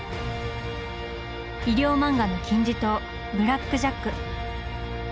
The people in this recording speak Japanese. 医療漫画の金字塔「ブラック・ジャック」。